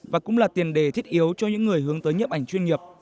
và cũng là tiền đề thiết yếu cho những người hướng tới nhiếp ảnh chuyên nghiệp